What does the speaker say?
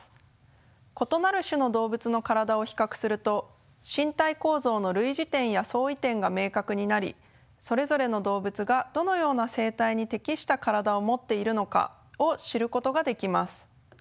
異なる種の動物の体を比較すると身体構造の類似点や相違点が明確になりそれぞれの動物がどのような生態に適した体を持っているのかを知ることができます。